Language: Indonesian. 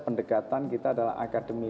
pendekatan kita adalah akademi